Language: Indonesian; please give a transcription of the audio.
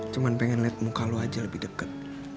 cuma pengen liat muka lo aja lebih deket